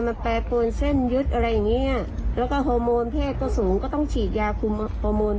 มันปวดแล้วมันก็ต้องร้อง